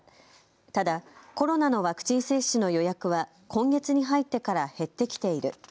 ただコロナのワクチン接種の予約は今月に入ってから減ってきている。